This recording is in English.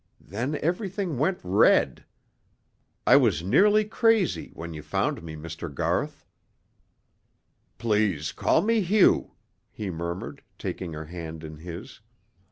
Then everything went red. I was nearly crazy when you found me, Mr. Garth." "Please call me Hugh," he murmured, taking her hand in his.